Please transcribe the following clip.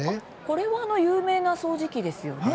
これはあの有名な掃除機ですよね。